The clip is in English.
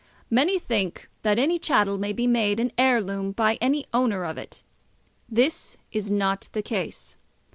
Many think that any chattel may be made an heirloom by any owner of it. This is not the case.